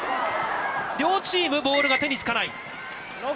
両チーム、ボールが手につかない。